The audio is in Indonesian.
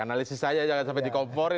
analisis aja jangan sampai dikomporin